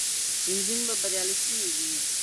نجونې به بریالۍ سوې وي.